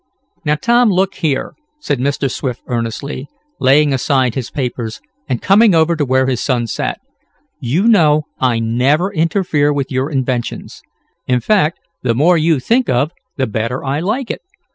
"Now Tom, look here," said Mr. Swift earnestly, laying aside his papers, and coming over to where his son sat. "You know I never interfere with your inventions. In fact, the more you think of the better I like it.